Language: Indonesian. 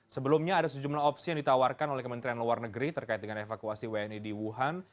sebelumnya ada sejumlah opsi yang ditawarkan oleh kementerian luar negeri terkait dengan evakuasi wni di wuhan